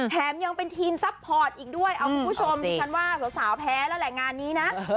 แถมยังเป็นทีมซัพพอร์ตอีกด้วยเอาคุณผู้ชมดิฉันว่าสาวแพ้แล้วแหละงานนี้นะ